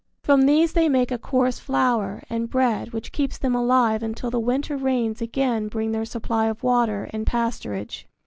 From these they make a coarse flour and bread which keeps them alive until the winter rains again bring their supply of water and pasturage.